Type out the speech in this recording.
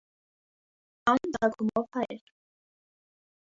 Ան ծագումով հայ էր։